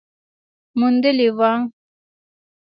موندلې وه